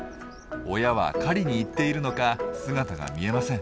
親は狩りに行っているのか姿が見えません。